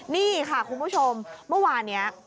นี่ค่ะคุณผู้ชมเมื่อวานนี้